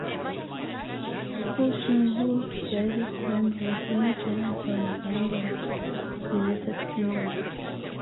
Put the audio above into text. Wo Shing Wo raises crime rate in Chinatown, London, United Kingdom.